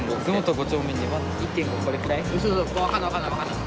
分かんない分かんない。